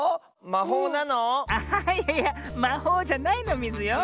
あいやいやまほうじゃないのミズよ。